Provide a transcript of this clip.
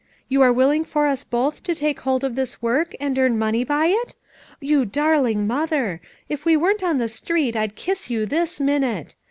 You are willing for us both to take hold of this work and earn money by it? You darling mother I If we weren't on the street I'd kiss you this minute!